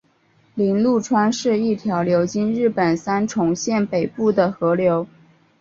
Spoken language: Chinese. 铃鹿川是一条流经日本三重县北部的河流。